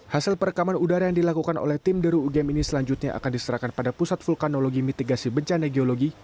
hasil perekaman udara yang dilakukan oleh tim deru ugm ini selanjutnya akan diserahkan pada pusat vulkanologi mitigasi bencana geologi